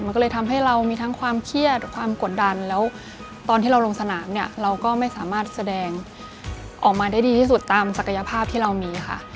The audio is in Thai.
มันก็เลยทำให้เรามีทั้งความเครียดความกดดันแล้วตอนที่เราลงสนามเนี่ยเราก็ไม่สามารถแสดงออกมาได้ดีที่สุดตามศักยภาพที่เรามีค่ะ